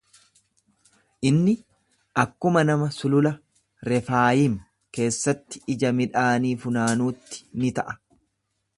Inni akkuma nama sulula Refaayim keessatti ija midhaanii funaanuutti ni ta'a.